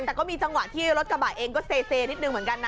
แต่ก็มีจังหวะที่รถกระบะเองก็เซนิดนึงเหมือนกันนะ